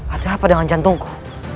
ada apa dengan jantungku